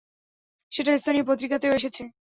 সেটা স্থানীয় পত্রিকাতেও এসেছে।